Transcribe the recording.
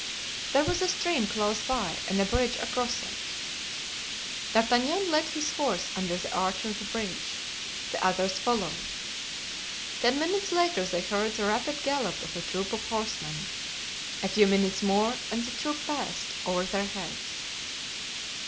There was a stream close by and a bridge across it. D'Artagnan led his horse under the arch of the bridge. The others followed. Ten minutes later they heard the rapid gallop of a troop of horsemen. A few minutes more and the troop passed over their heads.